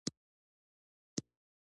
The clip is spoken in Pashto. حل کېدل فزیکي بدلون دی.